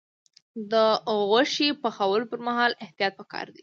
د غوښې پخولو پر مهال احتیاط پکار دی.